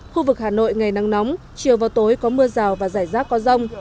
khu vực hà nội ngày nắng nóng chiều và tối có mưa rào và rải rác có rông